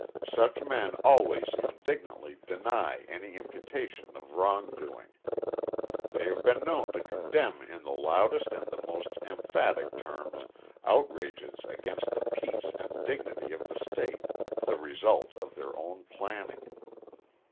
Such men always indignantly deny any imputation of wrong doing. They have been known to condemn in the loudest and the most emphatic terms outrages against the peace and dignity of the State, the result of their own planning.